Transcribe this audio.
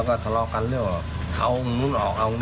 ก็เรื่องออกกิต